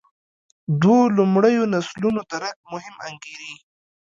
دوو لومړیو نسلونو درک مهم انګېري.